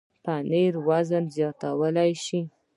پنېر وزن زیاتولی شي.